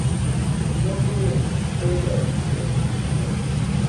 中书令崔仁师五世孙。